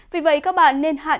vì vậy các bạn nên hãy